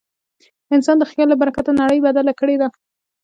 انسان د خیال له برکته نړۍ بدله کړې ده.